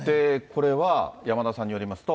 これは、山田さんによりますと。